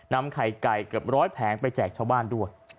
นำไข่ไก่เกือบร้อยแผงไปแจกชาวบ้านด้วย